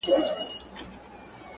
• در لېږل چي مي ګلونه هغه نه یم -